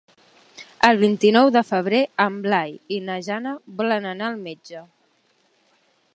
El vint-i-nou de febrer en Blai i na Jana volen anar al metge.